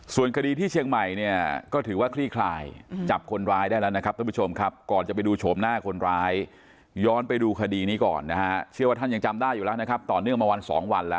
ส่วนคดีที่เชียงใหม่เนี่ยก็ถือว่าคลี่คลายจับคนร้ายได้แล้วนะครับท่านผู้ชมครับก่อนจะไปดูโฉมหน้าคนร้ายย้อนไปดูคดีนี้ก่อนนะฮะเชื่อว่าท่านยังจำได้อยู่แล้วนะครับต่อเนื่องมาวันสองวันแล้ว